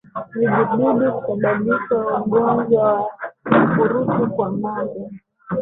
Vijidudu husababisha ugonjwa wa ukurutu kwa ngombe